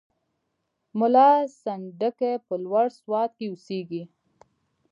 ملا سنډکی په لوړ سوات کې اوسېدی.